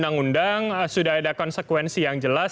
sudah diundang undang sudah ada konsekuensi yang jelas